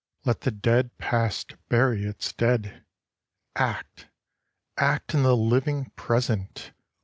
Let the dead Past bury its dead ! Act, — act in the living Present